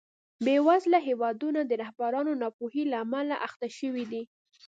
بېوزله هېوادونه د رهبرانو ناپوهۍ له امله اخته شوي دي.